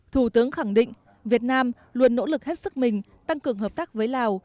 thủ tướng khẳng định việt nam luôn nỗ lực hết sức mình tăng cường hợp tác với lào